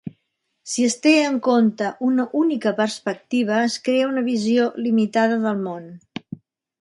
Si es té en compte una única perspectiva es crea una visió limitada del món.